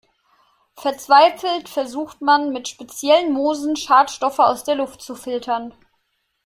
Verzweifelt versucht man, mit speziellen Moosen Schadstoffe aus der Luft zu filtern.